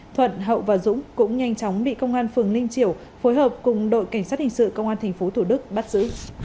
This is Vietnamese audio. thuận hậu và dũng cũng nhanh chóng bị công an phường ninh triều phối hợp cùng đội cảnh sát hình sự công an tp thủ đức bắt giữ